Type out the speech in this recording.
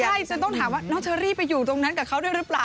ใช่จนต้องถามว่าน้องเชอรี่ไปอยู่ตรงนั้นกับเขาด้วยหรือเปล่า